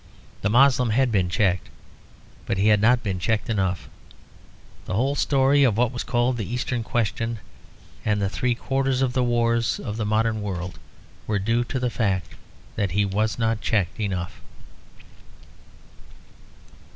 The Moslem had been checked, but he had not been checked enough. The whole story of what was called the Eastern Question, and three quarters of the wars of the modern world, were due to the fact that he was not checked enough.